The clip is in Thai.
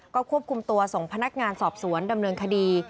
ก็ควบคุมตัวส่งพนักงานสอบสวนดำเนินคดี